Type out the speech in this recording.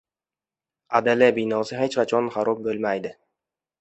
• Adl binosi hech qachon xarob bo‘lmaydi.